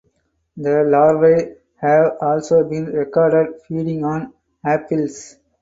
The larvae have also been recorded feeding on apples.